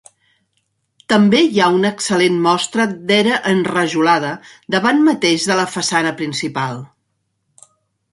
També hi ha una excel·lent mostra d'era enrajolada, davant mateix de la façana principal.